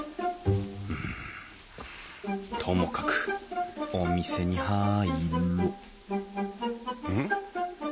うんともかくお店に入ろうん？